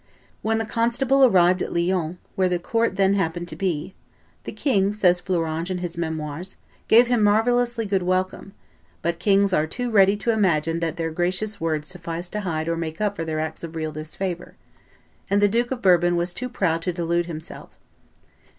When the constable arrived at Lyons, where the court then happened to be, "the king," says Fleuranges in his Memoires, "gave him marvellously good welcome;" but kings are too ready to imagine that their gracious words suffice to hide or make up for their acts of real disfavor; and the Duke of Bourbon was too proud to delude himself.